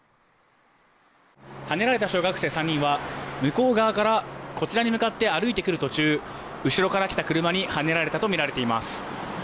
はねられた小学生３人は向こう側からこちらに向かって歩いてくる途中後ろから来た車にはねられたとみられています。